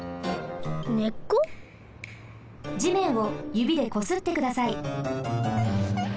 じめんをゆびでこすってください。